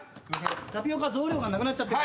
タピオカ増量感なくなっちゃってる。